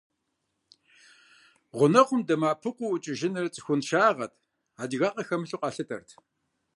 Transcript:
Гъунэгъум дэмыӀэпыкъуу ӀукӀыжыныр цӀыхугъэншагъэт, адыгагъэ хэмылъу къалъытэрт.